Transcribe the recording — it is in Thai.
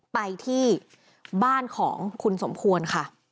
ไปที่บ้านของคุณสมควรค่ะ